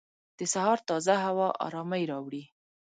د سهار تازه هوا ارامۍ راوړي.